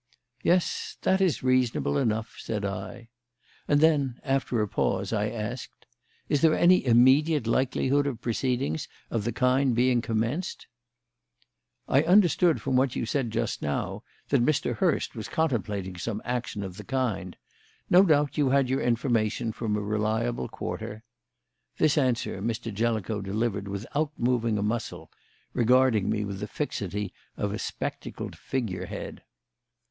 "Yes, that is reasonable enough," said I. And then, after a pause, I asked: "Is there any immediate likelihood of proceedings of the kind being commenced?" "I understood from what you said just now that Mr. Hurst was contemplating some action of the kind. No doubt you had your information from a reliable quarter." This answer Mr. Jellicoe delivered without moving a muscle, regarding me with the fixity of a spectacled figure head.